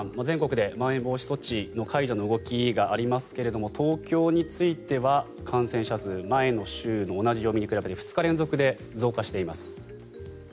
全国でまん延防止措置の解除の動きがありますが東京については感染者数前の週の同じ曜日に比べて２日連続で増加しています。